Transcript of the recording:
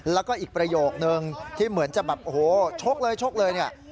แล้วก็อีกประโยคนึงที่เหมือนจะแบบโอ้โหชกเลยชกเลยเนี่ย